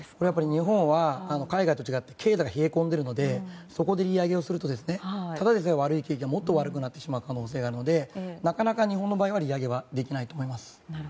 日本は海外と違って経済が冷え込んでいるのでそこで利上げをするとただでさえ悪い景気がもっと悪くなってしまう可能性があるのでなかなか日本の場合は利上げはできないと思います。